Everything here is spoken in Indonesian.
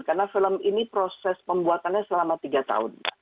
karena film ini proses pembuatannya selama tiga tahun